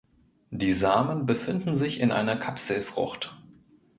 Die Samen befinden sich in einer Kapselfrucht.